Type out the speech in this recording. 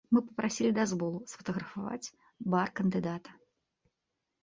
Мы папрасілі дазволу сфатаграфаваць бар кандыдата.